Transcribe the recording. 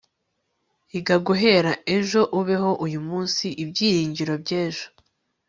iga guhera ejo, ubeho uyu munsi, ibyiringiro by'ejo